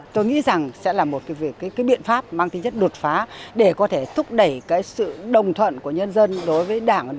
tôi nghĩ rằng sẽ là một cái biện pháp mang tính chất đột phá để có thể thúc đẩy cái sự đồng thuận của nhân dân đối với đảng